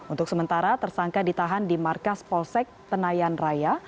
untuk sementara tersangka ditahan di markas polsek tenayan raya